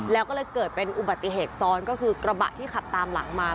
แล้วก็เลยเกิดเป็นอุบัติเหตุซ้อนก็คือกระบะที่ขับตามหลังมา